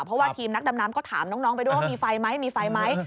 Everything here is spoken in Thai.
เพราะว่าทีมนักดำน้ำก็ถามน้องไปด้วยว่ามีไฟไหมมีไฟไหม